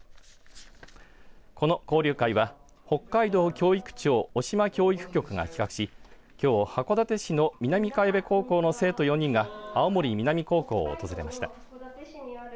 この交流会は北海道教育庁渡島教育局が企画しきょう函館市の南茅部高校の生徒が青森南高校を訪れました。